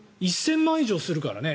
１０００万以上するからね